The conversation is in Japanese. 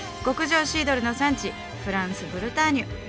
極上シードルの産地フランスブルターニュ。